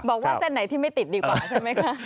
บอกว่าเส้นไหนที่ไม่ติดดีกว่าใช่ไหมคะ